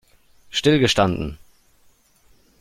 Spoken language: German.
Stillgestanden!